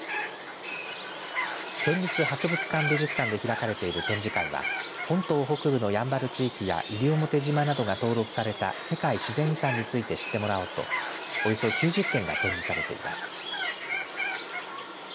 県立博物館・美術館で開かれている展示会は本島北部のやんばる地域や西表島などが登録された世界自然遺産について知ってもらおうとおよそ９０点が展示されています。